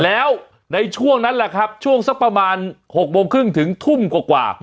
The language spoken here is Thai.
แล้วในช่วงนั้นแหละครับช่วงสักประมาณ๖โมงครึ่งถึงทุ่มกว่า